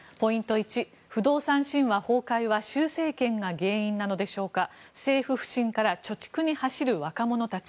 １不動産神話崩壊は習政権が原因でしょうか政府不信から貯蓄に走る若者たち。